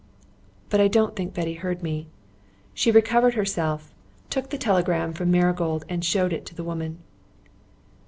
But I don't think Betty heard me. She recovered herself, took the telegram from Marigold, and showed it to the woman.